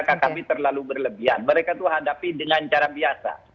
karena kkb terlalu berlebihan mereka itu hadapi dengan cara biasa